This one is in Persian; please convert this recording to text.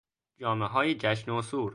جامههای جشن و سور